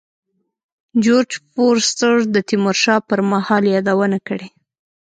جورج فورستر د تیمور شاه پر مهال یادونه کړې.